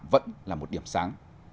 vẫn là một điểm sáng